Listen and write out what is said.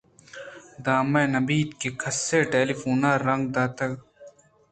دمانے نہ بیت کہ کسےءَ ٹیلی فون رنگ داتگ